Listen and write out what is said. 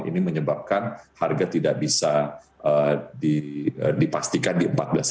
ini menyebabkan harga tidak bisa dipastikan di empat belas